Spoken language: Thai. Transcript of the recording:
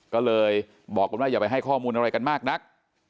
ก็เลยบอกกันว่าอย่าไปให้ข้อมูลอะไรกันมากนัก